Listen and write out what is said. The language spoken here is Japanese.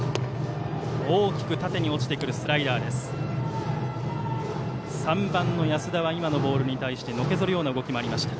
大きく縦に落ちてくるスライダーでした。